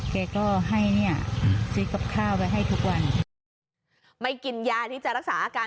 แกก็ให้เนี่ยซื้อกับข้าวไว้ให้ทุกวันไม่กินยาที่จะรักษาอาการ